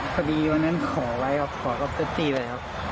พอดีวันนั้นขอไลค์ขอกับเจ้าจี้ไปครับ